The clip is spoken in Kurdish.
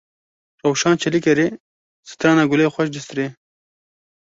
Rewşan Çelîkerê strana Gulê xweş distirê.